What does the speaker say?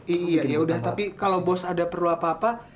iya iya ya udah tapi kalo bos ada perlu apa apa